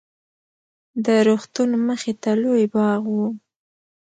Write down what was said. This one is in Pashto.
د روغتون مخې ته لوى باغ و.